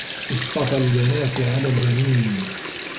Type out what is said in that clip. أَصطَفَى البَناتِ عَلَى البَنينَ